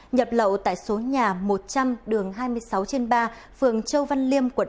nhập lậu tại số nhà một trăm linh đường hai mươi sáu trên ba phường châu văn liêm quận ô môn tp cnh